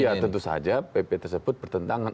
ya tentu saja pp tersebut bertentangan